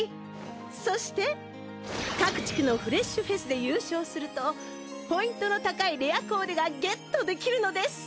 そして各地区のフレッシュフェスで優勝するとポイントの高いレアコーデがゲットできるのです！